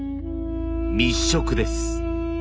密植です。